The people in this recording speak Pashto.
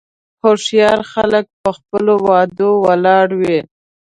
هوښیار خلک په خپلو وعدو ولاړ وي.